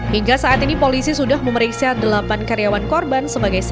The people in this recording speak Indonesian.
hingga saat ini polisi sudah memeriksa delapan karyawan